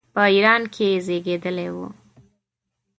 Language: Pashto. په ایران کې زېږېدلی وو.